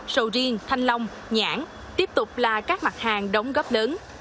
sầu riêng thanh long nhãn tiếp tục là các mặt hàng đóng góp lớn